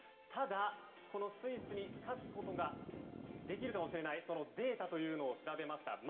ただ、スイスに勝つことができるかもしれないというデータを調べました。